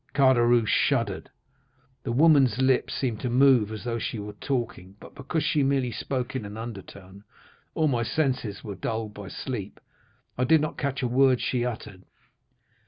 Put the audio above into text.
20317m "Caderousse shuddered. The woman's lips seemed to move, as though she were talking; but because she merely spoke in an undertone, or my senses were dulled by sleep, I did not catch a word she uttered.